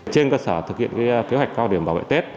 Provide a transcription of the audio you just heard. trên cơ sở thực hiện kế hoạch cao điểm bảo vệ tết